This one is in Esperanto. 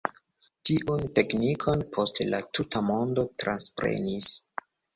Tiun teknikon poste la tuta mondo transprenis.